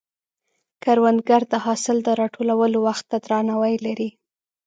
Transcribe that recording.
کروندګر د حاصل د راټولولو وخت ته درناوی لري